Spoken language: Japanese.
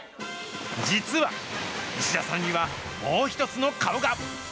実は、石田さんにはもう一つの顔が。